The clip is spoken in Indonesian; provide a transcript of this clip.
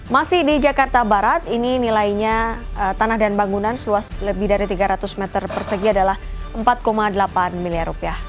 masih di jakarta barat ini nilainya tanah dan bangunan seluas lebih dari tiga ratus meter persegi adalah empat delapan miliar rupiah